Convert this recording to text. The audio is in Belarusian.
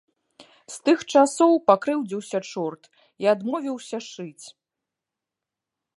З тых часоў пакрыўдзіўся чорт і адмовіўся шыць.